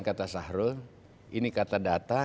kata sahrul ini kata data